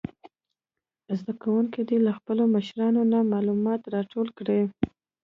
زده کوونکي دې له خپلو مشرانو نه معلومات راټول کړي.